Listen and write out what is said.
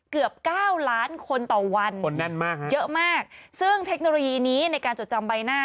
เกือบเก้าล้านคนต่อวันคนแน่นมากฮะเยอะมากซึ่งเทคโนโลยีนี้ในการจดจำใบหน้า